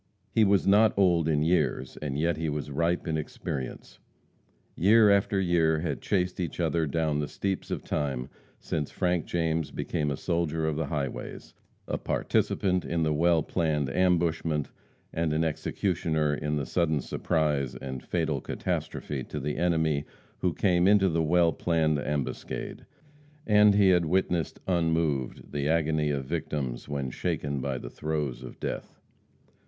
He was not old in years, and yet he was ripe in experience. Year after year had chased each other down the steeps of time since Frank James became a soldier of the highways, a participant in the well planned ambushment, and an executioner in the sudden surprise and fatal catastrophe to the enemy who came into the well planned ambuscade, and he had witnessed unmoved the agony of victims when shaken by the throes of death.